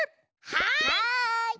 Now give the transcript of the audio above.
はい！